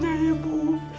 bukan hanya ibu